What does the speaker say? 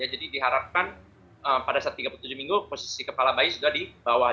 jadi diharapkan pada saat tiga puluh tujuh minggu posisi kepala bayi sudah di bawah